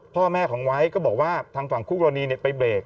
พ่อแม่ของไวท์ก็บอกว่าทางฝั่งคู่กรณีไปเรก